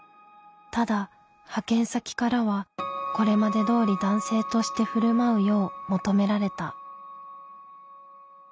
ただ派遣先からはこれまでどおり男性として振る舞うよう求められた。